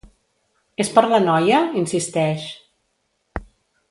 És per la noia? —insisteix.